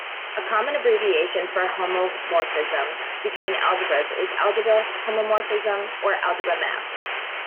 A common abbreviation for "homomorphism between algebras" is "algebra homomorphism" or "algebra map".